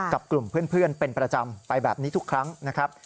กับกลุ่มเพื่อนเป็นประจำไปแบบนี้ทุกครั้งนะครับ